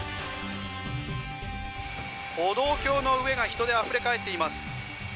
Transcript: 歩道橋の上が人であふれ返っています。